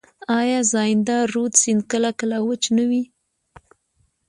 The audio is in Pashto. آیا زاینده رود سیند کله کله وچ نه وي؟